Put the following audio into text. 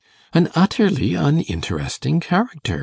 'An utterly uninteresting character!